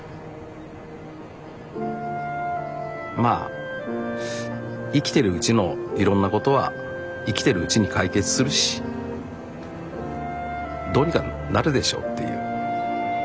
まあ生きてるうちのいろんなことは生きてるうちに解決するしどうにかなるでしょうっていう。